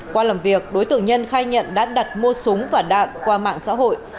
qua làm việc đối tượng nhân khai nhận đã đặt mua súng và đạn qua mạng xã hội